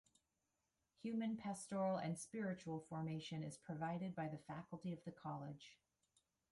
Human, pastoral and spiritual formation is provided by the faculty of the College.